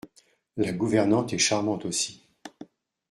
La gouvernante est charmante aussi.